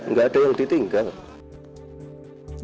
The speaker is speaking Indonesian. nggak ada yang ditinggal